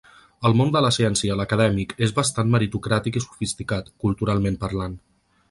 El món de la ciència, l’acadèmic, és bastant meritocràtic i sofisticat, culturalment parlant.